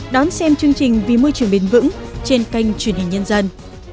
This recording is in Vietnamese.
đón xem chương trình vì môi trường bền vững trên kênh truyền hình nhân dân